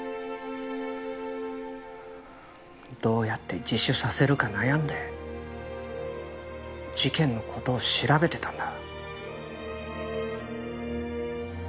どうやって自首させるか悩んで事件の事を調べてたんだ。